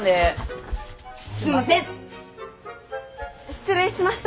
失礼しました。